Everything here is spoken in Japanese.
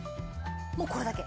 もうこれだけ。